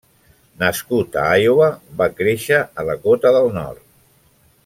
Nascut a Iowa, va créixer a Dakota del Nord.